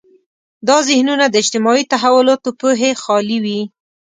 دا ذهنونه د اجتماعي تحولاتو پوهې خالي وي.